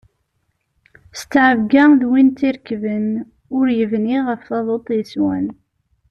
S ttɛebga d win tt-irekben, ur yebni ɣef taḍuṭ yeswan.